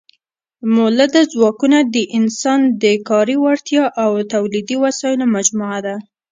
مؤلده ځواکونه د انسان د کاري وړتیا او تولیدي وسایلو مجموعه ده.